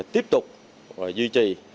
tiếp tục duy trì